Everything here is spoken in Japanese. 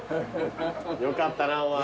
よかったなお前。